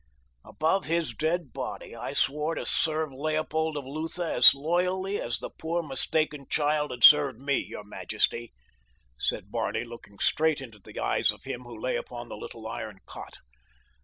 "Above his dead body I swore to serve Leopold of Lutha as loyally as the poor, mistaken child had served me, your majesty," and Barney looked straight into the eyes of him who lay upon the little iron cot.